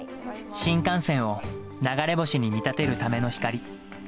新幹線を流れ星に見立てるための光。